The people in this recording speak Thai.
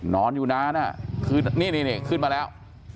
นอนอยู่นานคือนี่ขึ้นมาแล้ว